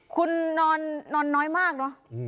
คุณนอนน้อยมากเนอะ